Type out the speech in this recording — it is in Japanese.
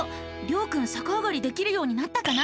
りょうくんさかあがりできるようになったかな？